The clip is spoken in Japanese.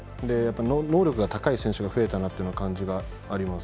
能力が高い選手が増えたなという感じがあります。